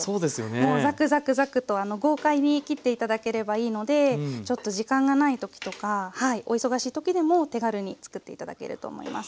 もうザクザクザクと豪快に切って頂ければいいのでちょっと時間がない時とかはいお忙しい時でも手軽に作って頂けると思います。